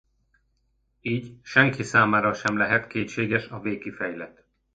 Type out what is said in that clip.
Így senki számára sem lehet kétséges a végkifejlet.